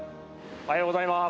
おはようございます。